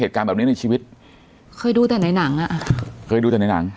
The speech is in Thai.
เหตุการณ์แบบนี้ในชีวิตเคยดูแต่ในหนังอ่ะเคยดูแต่ในหนัง